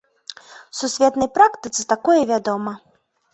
Сусветнай практыцы такое вядома.